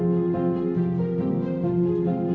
mencoba untuk mencoba